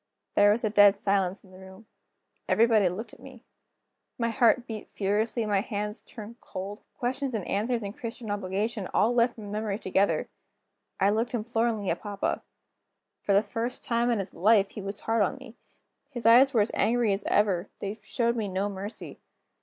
There was a dead silence in the room. Everybody looked at me. My heart beat furiously, my hands turned cold, the questions and answers in Christian Obligation all left my memory together. I looked imploringly at papa. For the first time in his life, he was hard on me. His eyes were as angry as ever; they showed me no mercy.